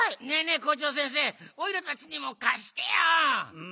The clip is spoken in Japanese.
え校長先生おいらたちにもかしてよ！